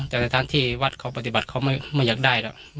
แต่ในทางที่วัดเขาปฏิบัติเขาไม่อยากได้หรอก